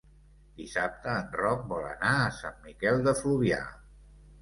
Dissabte en Roc vol anar a Sant Miquel de Fluvià.